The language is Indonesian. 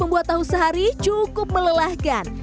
membuat tahu sehari cukup melelahkan